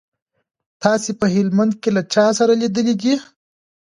تاسو په هلمند کي له چا سره لیدلي دي؟